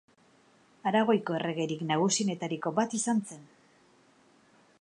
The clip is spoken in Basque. Aragoiko erregerik nagusienetariko bat izan zen.